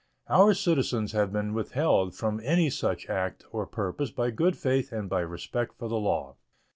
Our citizens have been withheld from any such act or purpose by good faith and by respect for the law.